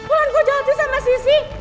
ulan kau jahatnya sama sisi